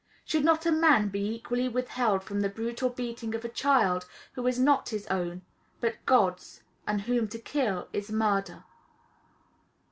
Should not a man be equally withheld from the brutal beating of a child who is not his own, but God's, and whom to kill is murder?